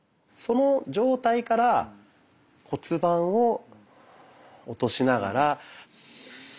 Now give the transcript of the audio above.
その状態から骨盤を落としながら。